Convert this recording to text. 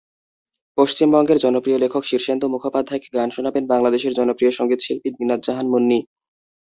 পশ্চিমবঙ্গের জনপ্রিয় লেখক শীর্ষেন্দু মুখোপাধ্যায়কে গান শোনাবেন বাংলাদেশের জনপ্রিয় সংগীতশিল্পী দিনাত জাহান মুন্নী।